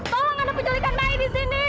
tolong ada penculikan naik di sini